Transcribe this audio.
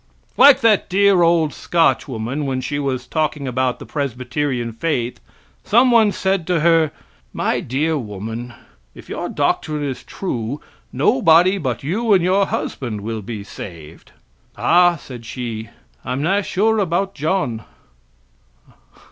Like that dear old Scotch woman, when she was talking about the Presbyterian faith, some one said to her: "My dear woman, if your doctrine is true, nobody but you and your husband will be saved." "Ah," said she, "I'm na' sae sure about John."